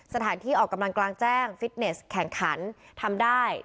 สถานที่ออกกำลังกลางแจ้งฟิตเนสแข่งขันทำได้